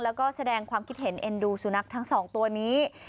แล้วก็แสดงความคิดเห็นเอ็นดูสุนัขทั้งสองตัวนี้